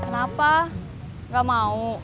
kenapa gak mau